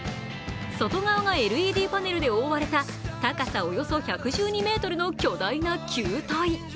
外側がＬＥＤパネルで覆われた高さおよそ１１２ｍの巨大な球体。